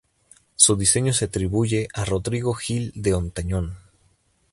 Su diseño se atribuye a Rodrigo Gil de Hontañón.